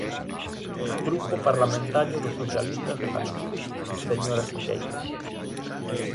Grupo Parlamentario dos Socialistas de Galicia, señora Siqueiros.